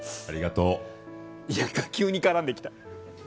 急に絡んできた。